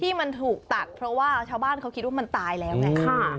ที่มันถูกตัดเพราะว่าชาวบ้านเขาคิดว่ามันตายแล้วไง